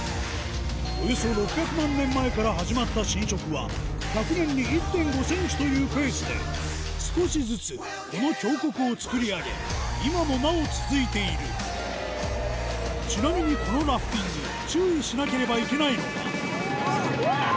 およそ６００万年前から始まった浸食は１００年に１．５ｃｍというペースで少しずつこの峡谷を作り上げ今もなお続いているちなみにこのラフティング注意しなければいけないのがうわぁ！